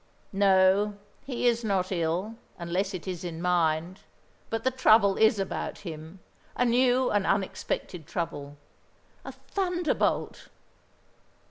"No, he is not ill, unless it is in mind. But the trouble is about him, a new and unexpected trouble. A thunderbolt!"